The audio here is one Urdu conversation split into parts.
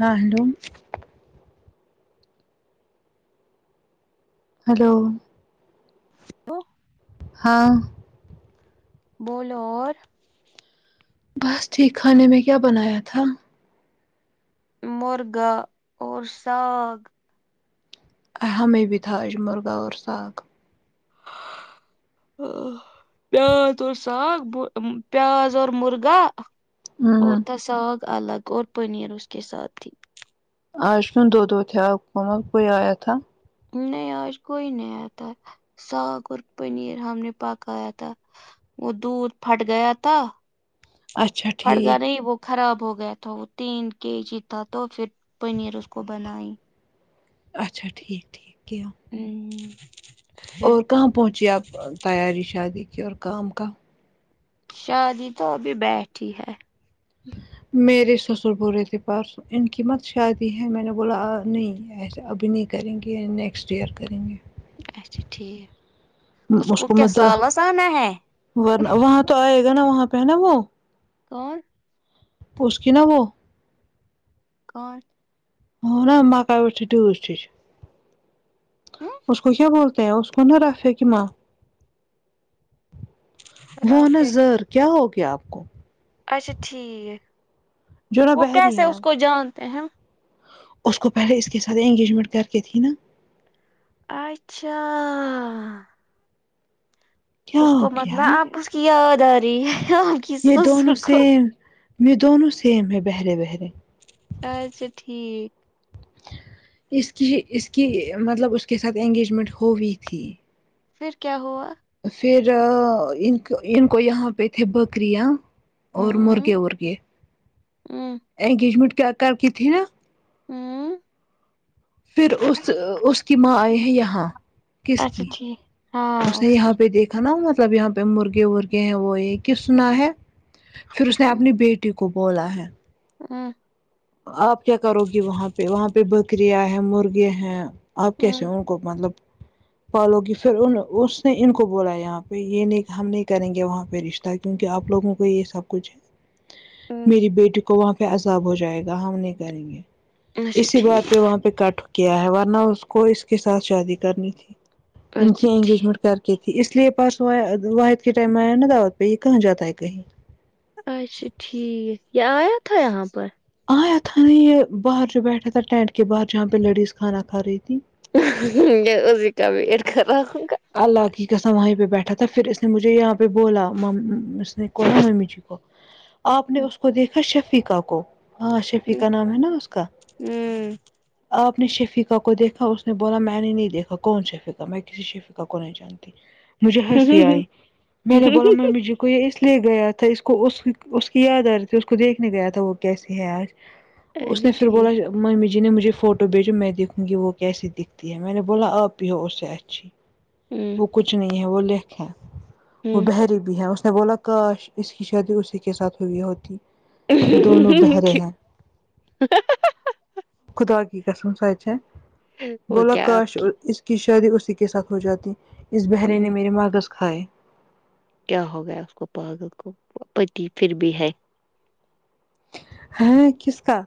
ہاں ہیلو ہیلو [inaudible] ہاں بولو اور بس ٹھیک کھانے میں کیا بنایا تھا مرغا اور ساگ ہمیں بھی تھا آج مرغہ اور ساگ پیاز اور ساگ پیاز اور مرغا اور ہوں تھا ساگ الگ اور پنیر اس کے ساتھ تھی آج نا دو دو تھے آپ کے وہاں کوئی آیا تھا نہیں آج کوئی نہیں آتا ساگ اور پنیر ہم نے پکایا تھا وہ دودھ پھٹ گیا تھا اچھا پھٹ گیا ٹھیک نہیں وہ خراب ہو گیا تھا وہ تین کے جی تھا تو پھر پنیر اس کو بنائی اچھا ٹھیک ٹھیک نہ ہوں اور کہاں پہنچیے آپ تیاری شادی کی اور کام کا شادی تو ابھی بیٹھی ہے میرے سسر بورے تھے پارسوں ان کی مت شادی ہے میں نے بولا آ نہیں ایسا ابھی نہیں کریں گے نیکسٹ ایئر کریں گے اچھا ٹھیک اس کو کیا سالس آنا ہے ورنہ وہاں تو آئے گا نا وہاں پہ ہے نا وہ اور اس کے نہ وہ اور ا نا مکائی ویٹ ڈٹس سش اس کو کیا بولتا اس کو نا رافے کہ معاں وہن رافیہ کی زر کیا ہوگیا آپ کو اچھا ٹھیک جو نا وہ بحری کیسے ہے اس کو جانتے ہیں ہم اس کو پہلے اس کے ساتھ انگیجمنٹ کر کے تھی نا اچھا کیا اس ہو کو متلب گیا آپ اس کی یاد آ رہی ہے کی یہ سسر دونوں کو سیم یہ دونوں سیم ہے بہرے بہرے اچھا ٹھیک اس کی اس کی مطلب اس کے ساتھ انگیجمنٹ ہو ہوئی تھی پھر کیا ہوا پھر ان ان کو یہاں پہ تھے بکریا اور ہوں مرگے ارگے ہوں انگیجمنٹ کیا کر کی تھی نا ہوں پھر اس اس کی ماں آئی ہیں یہاں کس اچھا کی ٹھیک ہاں اس نے یہاں کی پہ دیکھ تھا نا مطلب یہاں پہ مرغے ورغے ہیں وہ یہ کس سنا ہے پھر اس نے اپنی بیٹی کو کوبلا ہے ہاں آپ کیا کرو گی وہاں پہ وہاں پہ بکریاں ہیں مرغے ہیں آپ کیسے کو مطلب پالوگی پھر ان اس نے ان کو بولا یہاں پہ یہ نہیں ہم نہیں کریں گے وہاں پہ رشتے ت کیونکہ آپوگوں کو یہ سب کچھ ہے میری بیٹی کو وہاں پہ عذاب ہو جائے گا ہم نہیں کریں گے اچھا اسی ٹھیک بات پہ وہاں پہ کٹ کیا ہے ورنہ اس کو اس کے ساتھ شادی کرنی تھی ان کی اچھا انگیجمنٹ ٹھیک کر کے کی تھی اس لیے پاس واحد کے ٹائم میں آ نا دعوت پہ یہ کہاں جاتا ہے کہیں اچھا ٹھیک یہ آیا تھا یہاں پر آیا تھا نہیں یہ باہر جو بیٹھا تھا ٹینٹ کے باہر جہاں پہ لیڈیز کھانا کھا رہی تھی یہ ازی کا بھییر کر رہا ہوں گا اللہ کی قسم ہے وہیں پہ بیٹھا تھا پھر اس نے مجھے یہاں پہ بولا مم اس نے کو نا ممی کو آپ نے اس کو دیکھا شفقا کو ہاں شفقا نام ہے نا اس کا آپ نے شفقہ کو دیکھا اس نے بولا میں نے نہیں دیکھا کون شفقہ میں کسی شفقہ کو نہیں جانتی مجھے ہنسی آئی ہوں میں نے بولا میں مجھے کو کو یہ اس لیے گیا تھا اس کو اس اس کی یاد آ رہی تھی اس کو دیکھنے گیا تھا وہ کیسی ہے آج اچھا اس نے پھر بولا ٹھیک ممی جی نے مجھے فوٹو بھیجو میں دیکھوں گی وہ کیسی دکھتی ہے میں نے بولا آپ ہو اس سے اچھی ہوں وہ کچھ نہیں ہے وہ لکھ ہیں وہ ہوں بحری بھی ہے اس نے بولا تو کاش اس کی شادی اسی کے ساتھ ہوئی ہوتی ہ دونوں بہرے ہیں خدا کی قسم وہ بول کیا آپ کاش کی شادی اسی کے ساتھ ہو جاتی اس بہری نے ہوں میرے ماگذ کھائے کیا ہو گیا اس کو پاگل کو پتی پھر بھی ہے ہاں کس کا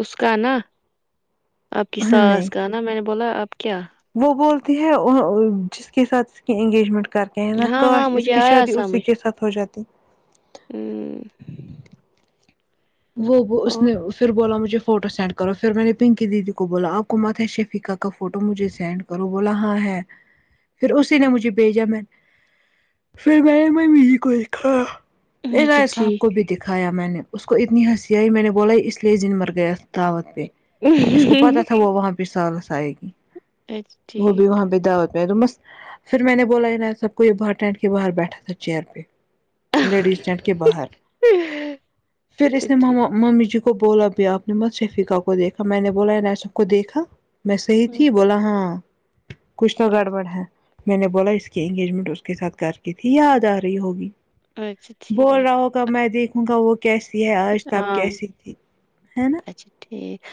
اس کا نا آپ کی نہیں ساس کا نا میں نے بولا آپ کیا وہ بولتی ہے جس کے ساتھ اس کی انگیجمنٹ کر کے ہیں نا ہاں ہاں کاش اس مجھے کی آیا شادی اسی سمجھ کے ساتھ ہو جاتی ہوں وہ وہ اس اور نے پھر بولا مجھے فوٹو سینڈ کرو پھر میں نے پنکی دیدی کو بولا آپ کو مات ہے شفیقہ کا فوٹو مجھے سینڈ کرو بولا ہاں ہے پھر اسی نے مجھے بھیجا میں نے پھر میں نے می کو دکھا ا اچھا رائے صاحب ٹھیک کو بھی دکھایا میں نے اس کو اتنی ہنسی آئی میں نے بولا اس لیے زن مر گیا دعوت پہ اس کو پتہ تھا وہ وہاں پہ سالس آئے گی اچھا وہ بھی ٹھیک وہاں پہ دعوت میںس پھر میں نے بولا یہ ن سب کو یہ باہر ٹینٹ کے باہر بیٹھا تھا چیئر پہ لیڈیز ٹینٹ کے باہر ہ پھر اس نے ممی جی کو بولا بھی اپ نے مت شفقا کو دیکھا میں نے بولا سب کو دیکھا میں صحیح ہوں تھی بولا ہاں کچھ تو اچھا گڑبڑ ہے میں نے بولا اس کی انگیجمنٹ اس کے ساتھ کر کے تھی یاد آ رہی ہوگی اچھا بول ٹھیک رہا ہو کب میں دیکھوں گا وہ کیسی ہے آج تب ہاں کیسی تھی ہے نا اچھا ٹھیک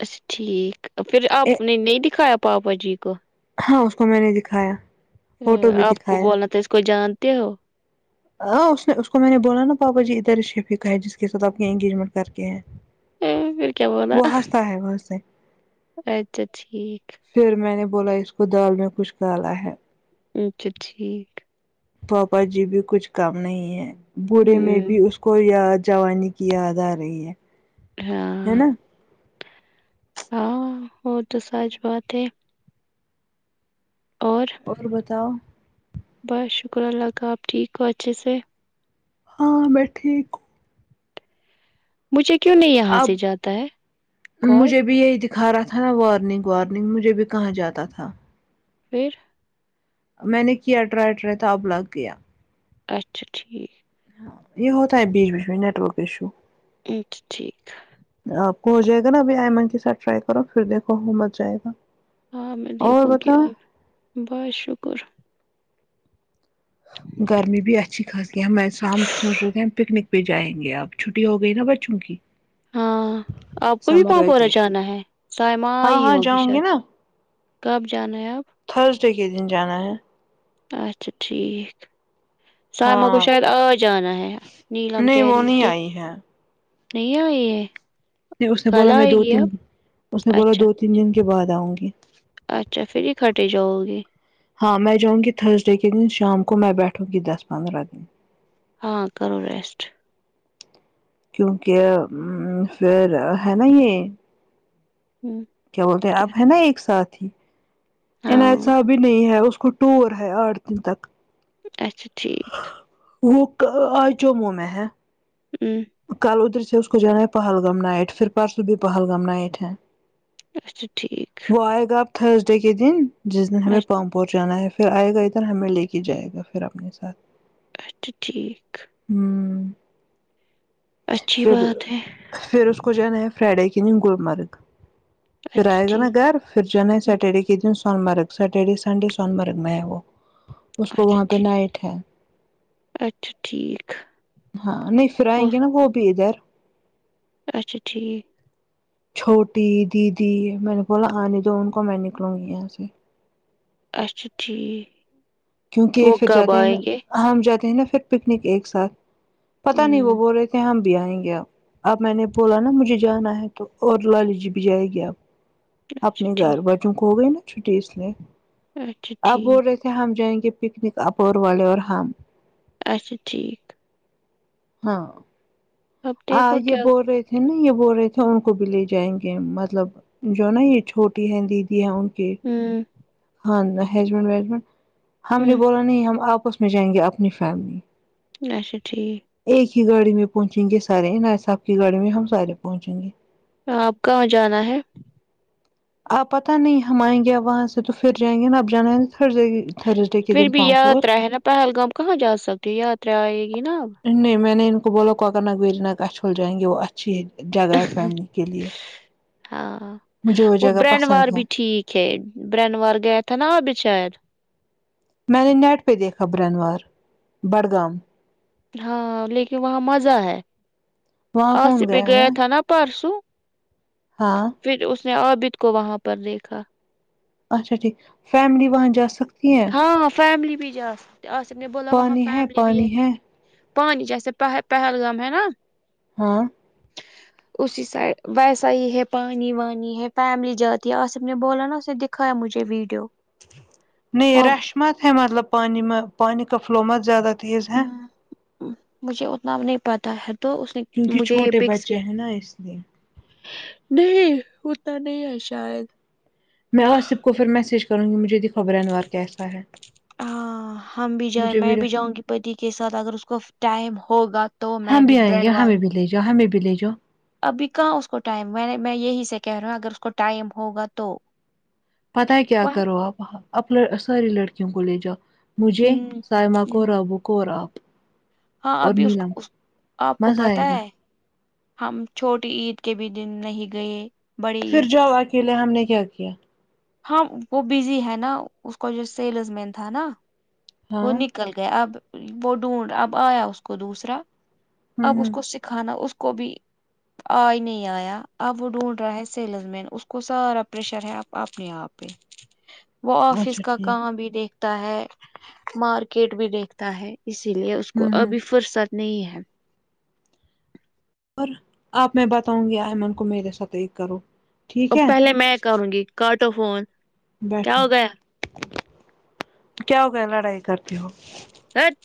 اچھا ٹھیک پھر آپ نے نہیں دکھایا پاپا جی کو ہاں اس کو میں نے دکھایا ا فوٹو بھی آپ کو دکھایا بولنا تو اس کوئی جانتے ہو ہ اس نے اس کو میں نے بولا نا پاپا جی ادھر شفیقا ہے جس کے ساتھ آپ انگیجمنٹ کر کے ہیں ا پھر کیا بولنا سے اچھا ٹھیک پھر میں نے بولا اس کو دال میں کچھ کالا ہے اچھا ٹھیک ہے پاپا جی بھی کچھ کام نہیں ہے بوڑھے میں ہوں بھی اس کوئی یاد جوانی کی یاد آ رہی ہے ہاں ہے نا ہاں وہ تو سچ بات ہے اور اور بتاؤ بس شکر اللہ کا اپ ٹھیک ہو اچھے سے ہاں میں ٹھیک ہو مجھے کیوں نہیں یہاں اب سے جاتا ہے کال کھا رہا تھا نا وارننگ وارننگ مجھے بھی کہاں جاتا تھا پھر میں نے کیاٹراٹرا تو اب لگ گیا اچھا ٹھیک یہ ہوتا ہے بیچ بیچ میں نیٹ ورک ایشو اچھ ٹھیک ہے آپ کو ہو جائے گا نا ابھی آئیمن کے ساتھ ٹرائی کرو پھر دیکھو وہ مت جائے گا ہاں میں اور دیکھوں گی بتاؤ آپ بہت شکر گرمی بھی اچھی خاصی ہے ہم میں شام سوچ رہے تھے ہم پکنک پہ جائیں گے آپ چھٹی ہو گئی نا بچوں کی ہاں آپ کو بھی سمر پاپورہ ویکیشن جانا ہے سائمہ ہاں آئی ہاں ہوگی جاؤں گی شاید نا کب جانے ہیں آپ تھرس ڈے کے دن جانا ہے اچھا ٹھیک سائما کو ہاں شاید آج جانا ہے نیلم نہیں کہہ وہ رہی نہیں تھی آئی ہے نہیں آئی یہ نہیں اس نے بولا میں دو تین اس نے بولا اچھا دو تین دن کے بعد آؤں گی اچھا پھر یہ کھٹے جاؤ گے ہاں میں جاؤں گی تھرسڈے کے دن شام کو میں بیٹھوں گی دس پندرہ دن ہاں کرو ریسٹ کیونکہ ام پھر ہے نا یہ ہوں کیا بولتے اب ہے نا ایک ساتھ ان ہاں ایسا بھی نہیں ہے اس کو ٹور ہے آٹھ دن تک اچھا ٹھیک وہ آج جممو میں ہے ہوں کل ادھر سے اس کو جانا ہے پہلگام نائٹ پھر پارس بھی پہلگام نائٹ ہے اچھا ٹھیک پہلگام آپ تھرس ڈے کے دن جس دن ہم اچھا پم پہنچانا ہے پھر آئے گا ادھر ہمیں لے کے جائے گا پھر اپنے ساتھ ٹ ٹھیک ہوں اچھی بات ہے پھر اس کو جانا ہے فرائیڈے کے دن گلمرگ پھر اچھا آئے گا نا ٹھیک گھر پھر جو نا ہے ہم، سیٹرڈے کے دن سونمرگ سٹرڈے سنڈے سونمرگ میں ہے وہ اس کو اچھا وہاں پہ ٹھیک نائٹ ہے اچھا ٹھیک آئینگے نہ وہ بھی ادھر اچھا ٹھیک چھوٹی دیدی میں نے بولا آنے دو ان کو میں نکلوں گی یہاں سے اچھا ٹھیک کیونکہ وہ پھر کب جاتے ہیں نا آئیں گے ہم ہم جاتے ہیں نا پھر پکنک ایک ساتھ پتاہ نہیں وہ ہوں بول رہے تھے ہم بھی اینگیں اب اب میں نے بولا نا مجھے جانا ہے تو اور لالی جی بھی جائے گی آپ اچھا اپنے گھر ٹھیک بچوں کو ہو گئی نا چھٹی اس لیے اچھا اب بول ٹھیک رہے تھے ہم جائیں گے پکنک اپور والے اور ہماں اچھا ٹھیک ہاں اب دیکھو آج یہ کیا بول رہے تھ نا یہ بول رہے تھے ان کو بھی لے جائیں گے مطلب جو نا یہ چھوٹی ہے دیدی ہے ان ہوں ہم نے ہوں بولا نہیں ہم آپس میں جائیں گے اپنی فیملی اچھا ٹھیک ایک ہی گاڑی میں پہنچیں گے سارے نا صاحب کی گاڑی میں ہم سارے پہنچیں گے آپ کہاں جانا ہے آپ پتہ نہیں ہم آئیں گے وہاں سے تو پھر جائیں گے نا اب جانا ہے پھر جیگے تھرسڈے کے پھر دن بھی پامپور یاترا ہے نا پہلگام کہاں جا سکتی ہو یاترا آئے گی نا نہیں میں نے ان کو بولا کوکرنا بھیجنا کاش ہو جائیں گے وہ اچھی جگہ ہے فیملی کے لیے ہاں مجھے وہ جگہ پسند ہے ک برنوار گیا تھ نا آ بچار میں نے نیٹ پ دیکھا بنوار بڈگام ہاں لیکن وہاں مزہ ہے وہاں آصف کون بہی گیا ہے تھا نا پرسو ہاں پھر اس نے عابد کو وہاں پر دیکھا اچھا ٹھیک فیملی وہاں جا سکتی ہیں ہاںاں فیملی بھی جا سکتے آ سف نے بولا وہاں فیملی بھی ہے پانی جیسے پہل پہلگام ہے نا ہاں اسی سائ ویسا ہی ہے پانی وانی ہے فیملی جاتی ہے آصف نے بولا نا اسے دکھ دیکھا یا مجھے ویڈیو نہیں وہ رش مت ہے مطلب پانی میں پانی کا فلو مت زیادہ تیز ہے مجھے اتنا نہیں پتا ہے تو اس نے کیونکہ مجھے یہ چھوٹے پکس بچے ہیں نا اس لیے نہیں اتنا نہیں ہے شاید میں آصف کو پھر میسیج کروں گی مجھے دکھ ار کیسا ہے ہاں ہ ہم بھی جائیں مجھے میں ویڈیو بھی جاؤں گی پتی کے ساتھ اگر اس کو ٹائم ہوگا تو میں بھی بریڈ وال جہاں میں بھی لے جاؤ ابھی کہاں اس کو ٹائم میں نے میں یہی سے کہہ رہا اگر اس کو ٹائم ہوگا تو پتا ہے کیا وہ کرو آپ اپپ ساری لڑکیوں کو لے جاؤ مجھے سائمہ کو رابو کو اور آپ ہاں اور ابھی اس نیلم اس آپ کو مزہ پتا آئے گا ہے ہم چھوٹی عید کے بھی دن نہیں گئے بڑی پھر عید جاؤ اکیلے ہم نے کیا کیا ہاں وہ بزی ہے نا اس کا جو سیلز مین تھا نا ہاں وہ نکل گیا اب وہ ڈھونڈ اب آیا اس کو دوسرا ہوں اب اس ہوں کو سک کھانا اس کو بھی آ ہی نہیں آیا اب وہ ڈھونڈ رہا ہے سیلز مین اس کو سارا پریشر ہے آب اپنے آپ پہ وہ آفس اچھا کا ٹھیک کام بھی دیکھتا ہے مارکیٹ بھی دیکھتا ہے اسی لیے اس کو ہوں ہوں ابھی فرصت نہیں ہے اور آپ میں بتاؤں گی ایمن کو میرے ساتھ ایک کرو ٹھیک ہے پہلے میں کروں گی کاٹو فون کیا بیٹھو ہو گیا کیا بے لڑائی کرتے ہو ہٹ